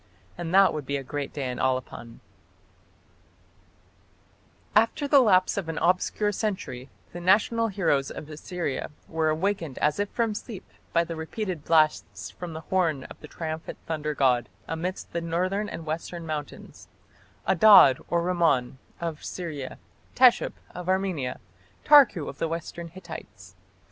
And that would be a great day in Alban." After the lapse of an obscure century the national heroes of Assyria were awakened as if from sleep by the repeated blasts from the horn of the triumphant thunder god amidst the northern and western mountains Adad or Rimmon of Syria, Teshup of Armenia, Tarku of the western Hittites.